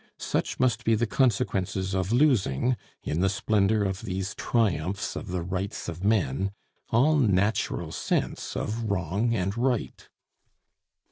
Such must be the consequences of losing, in the splendor of these triumphs of the rights of men, all natural sense of wrong and right.